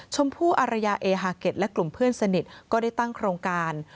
ชมพู่อารยาเอฮาเก็ตและกลุ่มเพื่อนสนิทก็ได้ตั้งโครงการ